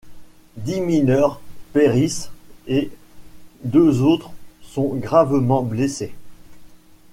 Dix mineurs périssent et deux autres sont gravement blessés.